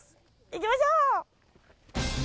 行きましょう！